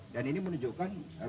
dan ini menunjukkan bahwa